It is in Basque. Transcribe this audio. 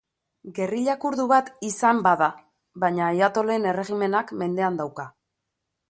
Gerrila kurdu bat izan bada baina ayatolen erregimenak mendean dauka.